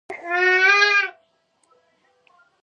د بلشویک انقلاب په پایله کې کورنۍ جګړه پیل شوه.